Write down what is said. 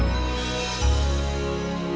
suka sih mau mandi